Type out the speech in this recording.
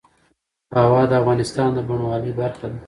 هوا د افغانستان د بڼوالۍ برخه ده.